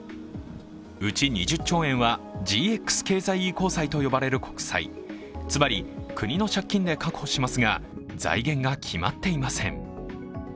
うち２０兆円はＧＸ経済移行債と呼ばれる国債、つまり国の借金で確保しますが、財源が決まっていません。